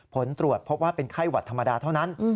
ผลตรวจพบว่าเป็นไข้หวัดธรรมดาเท่านั้น